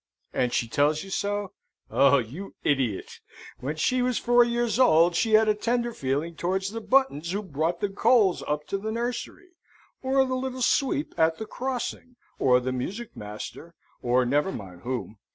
And she tells you so? Oh, you idiot! When she was four years old she had a tender feeling towards the Buttons who brought the coals up to the nursery, or the little sweep at the crossing, or the music master, or never mind whom.